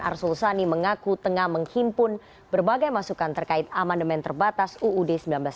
arsul sani mengaku tengah menghimpun berbagai masukan terkait amandemen terbatas uud seribu sembilan ratus empat puluh